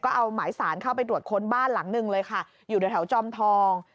ก็เอาหมายสารเข้าไปตรวจค้นบ้านหลังหนึ่งเลยค่ะอยู่แถวจอมทอง